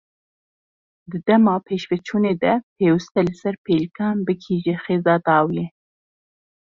Di dema pêşveçûnê de pêwîst e li ser pêlikan bigihîje xêza dawiyê.